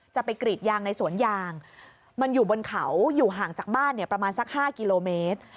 จะไปกรีดยางในสวนยางมันอยู่บนเขาอยู่ห่างจากบ้านประมาณสัก๕กิโลเมตร